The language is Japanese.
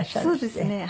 そうですね。